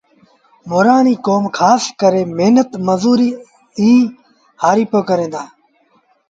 مورآڻيٚ ڪوم کآس ڪري مهنت مزوري ائيٚݩ هآرپو ڪريݩ دآ